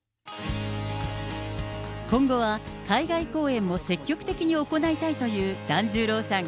今後は海外公演も積極的に行いたいという團十郎さん。